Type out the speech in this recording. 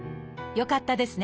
よかったですね。